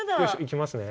いきますね。